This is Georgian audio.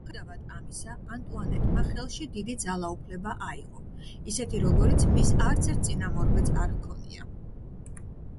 მიუხედავად ამისა, ანტუანეტმა ხელში დიდი ძალაუფლება აიღო, ისეთი როგორიც მის არცერთ წინამორბედს არ ჰქონია.